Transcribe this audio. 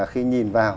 khi nhìn vào